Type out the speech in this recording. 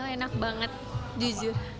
enak banget jujur